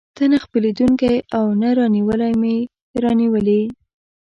ته نه خپلېدونکی او نه رانیولى مې راونیولې.